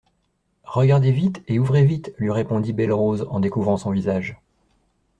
Regardez vite et ouvrez vite, lui répondit Belle-Rose en découvrant son visage.